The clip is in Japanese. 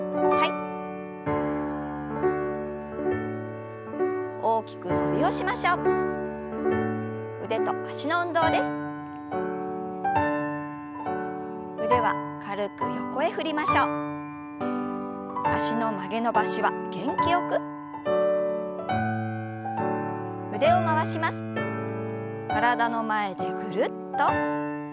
体の前でぐるっと。